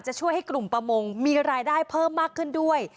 ช่วยให้กลุ่มประมงมีรายได้เพิ่มมากขึ้นด้วย